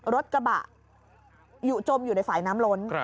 รถกระบะจมอยู่ในฝ่ายน้ำล้น